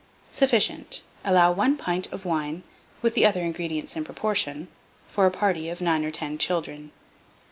Sufficient Allow 1 pint of wine, with the other ingredients in proportion, for a party of 9 or 10 children.